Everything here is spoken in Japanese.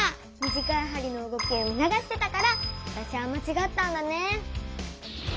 短いはりの動きを見のがしてたからわたしはまちがったんだね。